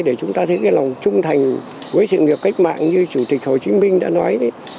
để chúng ta thấy cái lòng trung thành với sự nghiệp cách mạng như chủ tịch hồ chí minh đã nói đấy